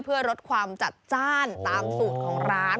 เพื่อลดความจัดจ้านตามสูตรของร้าน